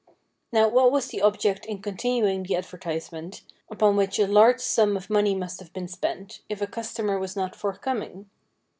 Now, what was the object in con tinuing the advertisement, upon which a large sum of money must have been spent, if a customer was not forthcoming